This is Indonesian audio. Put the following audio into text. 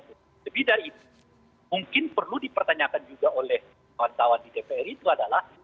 lebih dari itu mungkin perlu dipertanyakan juga oleh kawan kawan di dpr itu adalah